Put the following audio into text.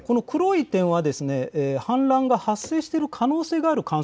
この黒い点は氾濫が発生している可能性がある。